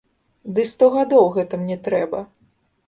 Ды сто гадоў гэта мне трэба!